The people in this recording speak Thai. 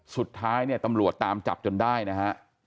สุดท้ายเนี่ยตำรวจตามจับจนได้นะฮะ